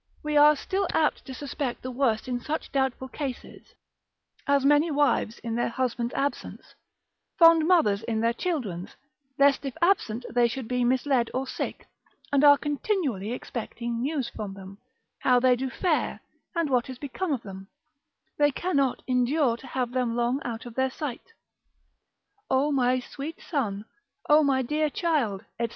We are still apt to suspect the worst in such doubtful cases, as many wives in their husband's absence, fond mothers in their children's, lest if absent they should be misled or sick, and are continually expecting news from them, how they do fare, and what is become of them, they cannot endure to have them long out of their sight: oh my sweet son, O my dear child, &c.